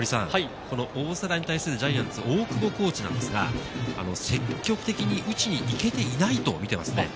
大瀬良に対するジャイアンツの大久保コーチなんですが、積極的に打ちにいけていないと見ていますね。